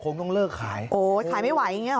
คงต้องเลิกขายโอ๊ยขายไม่ไหวอย่างนี้เหรอ